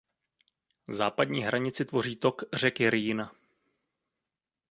Západní hranici tvoří tok řeky Rýn.